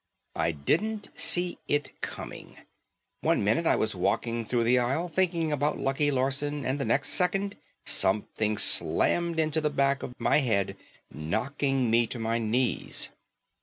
I didn't see it coming. One minute I was walking through the aisle, thinking about Lucky Larson and the next second something slammed into the back of my head knocking me to my knees.